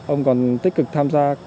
ông còn tích cực tham gia